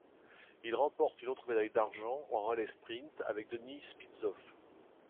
Il remporte une autre médaille d'argent en relais sprint avec Denis Spitsov.